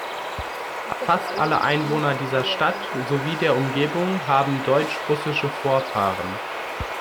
Fast alle Einwohner dieser Stadt, sowie der Umgebung haben deutsch-russische Vorfahren.